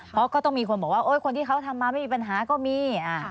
เพราะก็ต้องมีคนบอกว่าคนที่เขาทำมาไม่มีปัญหาก็มี